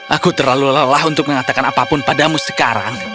aku terlalu lelah untuk mengatakan apapun padamu sekarang